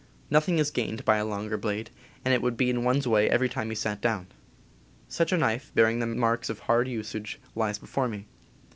Nothing is gained by a longer blade, and it would be in one's way every time he sat down. Such a knife, bearing the marks of hard usage, lies before me.